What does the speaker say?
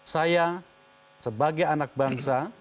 saya sebagai anak bangsa